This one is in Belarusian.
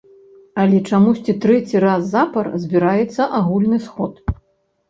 Але чамусьці трэці раз запар збіраецца агульны сход.